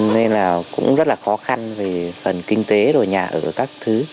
nên là cũng rất là khó khăn về phần kinh tế rồi nhà ở các thứ